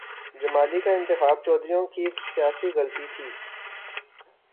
جمالی کا انتخاب چودھریوں کی سیاسی غلطی تھی۔